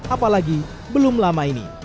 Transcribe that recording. apalagi belum lama ini